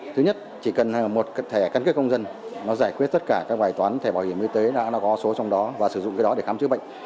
thứ nhất chỉ cần một thẻ căn cước công dân nó giải quyết tất cả các bài toán thẻ bảo hiểm y tế đã có số trong đó và sử dụng cái đó để khám chữa bệnh